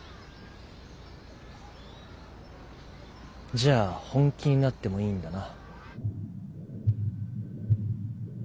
じゃあ本気になってもいいんだな？